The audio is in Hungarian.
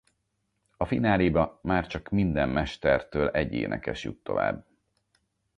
A fináléba már csak minden mestertől egy énekes jut tovább.